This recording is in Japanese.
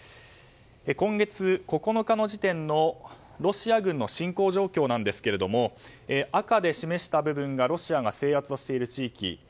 今月９日の時点のロシア軍の侵攻状況ですが赤で示した部分がロシアが制圧している地域。